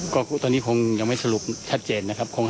ก็ตอนนี้คงยังไม่สรุปชัดเจนนะครับ